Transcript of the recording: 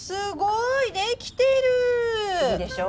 いいでしょう？